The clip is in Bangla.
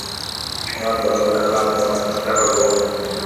সম্রাট বলল, তাহলে আমি তোমাকে হত্যা করব।